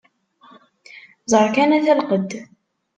Ẓer kan ata lqedd!